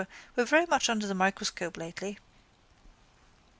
were very much under the microscope lately.